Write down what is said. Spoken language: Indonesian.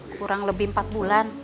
kurang lebih empat bulan